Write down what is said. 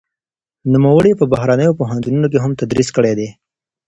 نوموړي په بهرنيو پوهنتونونو کې هم تدريس کړی دی.